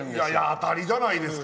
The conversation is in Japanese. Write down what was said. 当たりじゃないですか？